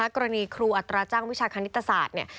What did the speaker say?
กรณีครูอัตราจังวิชาคณิตศาสตร์